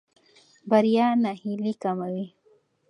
بریا ناهیلي کموي.